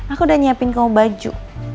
aku udah nyiapin kamu baju